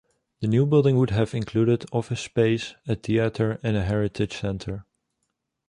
The new building would have included office space, a theatre and a "heritage centre".